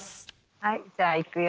はいじゃあいくよ